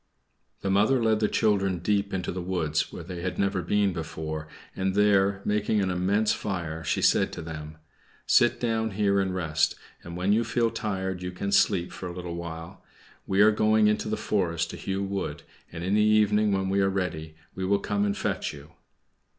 The mother led the children deep into the wood, where they had never been before, and there, making an immense fire, she said to them, "Sit down here and rest, and when you feel tired you can sleep for a little while. We are going into the forest to hew wood, and in the evening, when we are ready, we will come and fetch you."